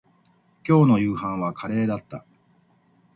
今日の夕飯はカレーだった